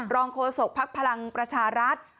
โฆษกภักดิ์พลังประชารัฐ